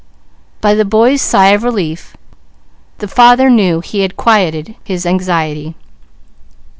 By the boy's sigh of relief the father knew he had quieted his anxiety.